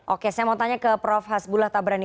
oke saya mau tanya ke prof hasbullah tabrani